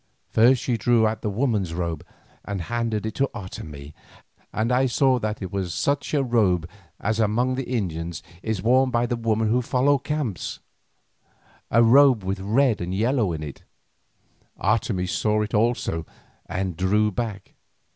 First she drew out the woman's robe and handed it to Otomie, and I saw that it was such a robe as among the Indians is worn by the women who follow camps, a robe with red and yellow in it. Otomie saw it also and drew back.